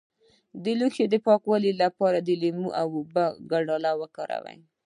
د لوښو د پاکوالي لپاره د لیمو او اوبو ګډول وکاروئ